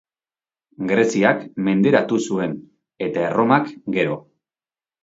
Greziak menderatu zuen, eta Erromak gero.